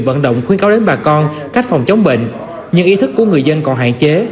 vận động khuyên cao đến bà con cách phòng chống bệnh nhưng ý thức của người dân còn hạn chế